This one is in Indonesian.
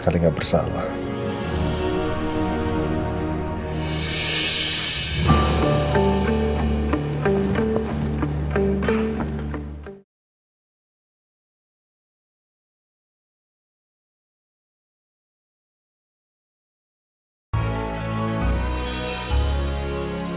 aku ingin berangkat